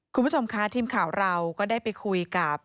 คุณผู้ชมค่ะทีมข่าวเราก็ได้ไปคุยกับ